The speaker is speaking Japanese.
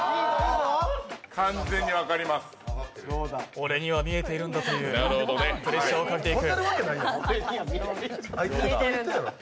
俺には見えているんだというプレッシャーをかけていく。